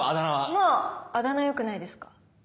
もうあだ名よくないですか？